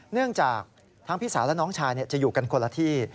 เนื่องจากทั้งพี่สาวและน้องชายจะอยู่กันคนละที่